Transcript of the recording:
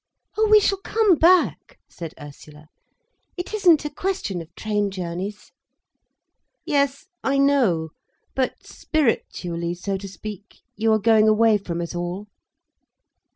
"Oh, we shall come back," said Ursula. "It isn't a question of train journeys." "Yes, I know. But spiritually, so to speak, you are going away from us all?"